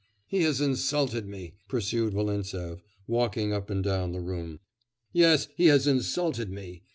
'He has insulted me,' pursued Volintsev, walking up and down the room. 'Yes! he has insulted me.